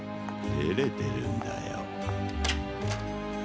てれてるんだよ。